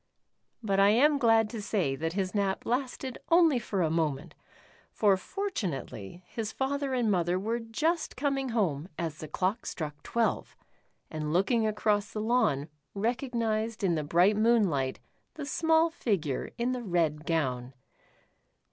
But I am glad to say that his nap lasted only for a moment, for fortunately his father and mother were just coming home as the clock struck twelve, and looking across the lawn recognized, 170 The Iron Doe. in the bright moonlight, the small figure in the red gown.